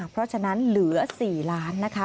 เพราะฉะนั้นเหลือ๔ล้านนะคะ